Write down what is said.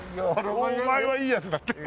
「おおお前はいいヤツだ」ってね。